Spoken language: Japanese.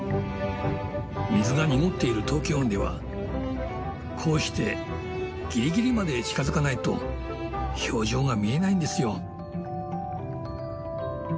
水が濁っている東京湾ではこうしてギリギリまで近づかないと表情が見えないんですよ。